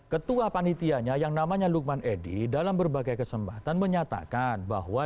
ketua panitianya yang namanya lukman edi dalam berbagai kesempatan menyatakan bahwa